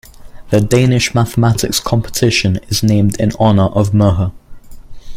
The Danish Mathematics competition is named in honour of Mohr.